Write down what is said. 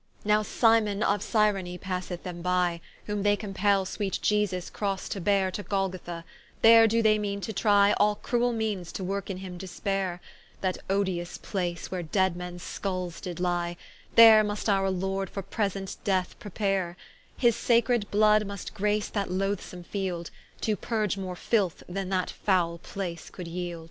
Now Simon of Cyrene passeth them by, Whom they compell sweet I E S V S Crosse to beare To Golgotha, there doe they meane to trie All cruell meanes to worke in him dispaire: That odious place, where dead mens skulls did lie, There must our Lord for present death prepare: His sacred blood must grace that loathsome field, To purge more filth, than that foule place could yield.